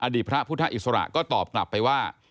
ดีพระพุทธอิสระก็ตอบกลับไปว่า